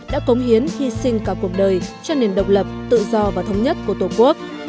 đã cống hiến hy sinh cả cuộc đời cho nền độc lập tự do và thống nhất của tổ quốc